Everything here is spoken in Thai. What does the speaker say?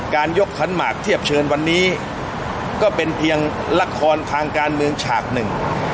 ยกขันหมากเทียบเชิญวันนี้ก็เป็นเพียงละครทางการเมืองฉากหนึ่ง